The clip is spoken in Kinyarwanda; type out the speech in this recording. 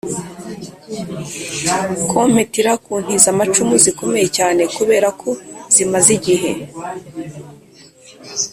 ku mpitira: ku nti z’amacumu zikomeye cyane kubera ko zimaze igihe,